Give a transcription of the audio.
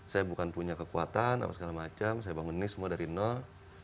saya bukan punya kekuatan apa segala macam saya bangun ini semua dari nol